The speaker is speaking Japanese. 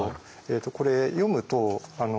これ読むと。